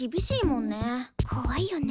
怖いよね。